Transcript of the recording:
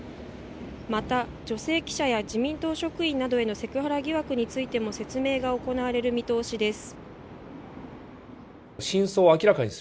また女性記者や自民党職員などへのセクハラ疑惑についても説明が行われる見通しです